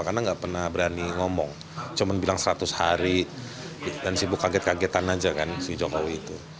karena nggak pernah berani ngomong cuma bilang seratus hari dan sibuk kaget kagetan aja kan si jokowi itu